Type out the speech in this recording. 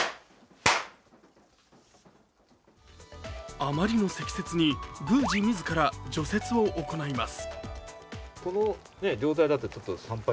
あまりの積雪に宮司自ら除雪を行います。